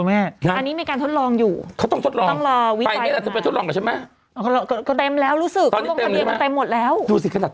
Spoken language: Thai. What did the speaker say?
มีคนทดลองกันหมดแล้วค่ะ